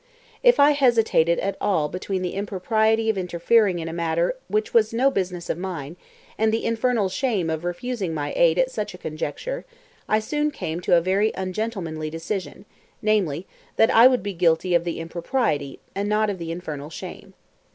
If I hesitated at all between the "impropriety" of interfering in a matter which was no business of mine and the "infernal shame" of refusing my aid at such a conjecture, I soon came to a very ungentlemanly decision, namely, that I would be guilty of the "impropriety," and not of the "infernal shame."